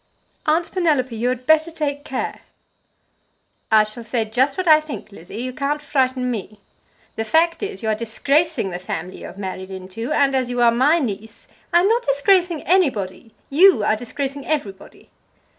"Aunt Penelope, you had better take care." "I shall say just what I think, Lizzie. You can't frighten me. The fact is, you are disgracing the family you have married into, and as you are my niece " "I'm not disgracing anybody. You are disgracing everybody."